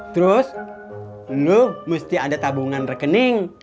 terus lu mesti ada tabungan rekening